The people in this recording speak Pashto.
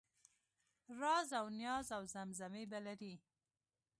رازاونیازاوزمزمې به لرې